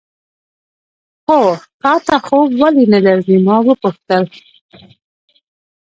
هو، تا ته خوب ولې نه درځي؟ ما وپوښتل.